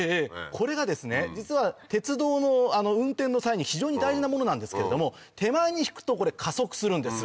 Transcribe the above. これがですね実は鉄道の運転の際に非常に大事なものなんですけれども手前に引くとこれ加速するんです。